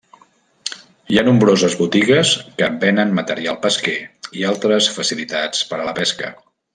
Hi ha nombroses botigues que vénen material pesquer i altres facilitats per a la pesca.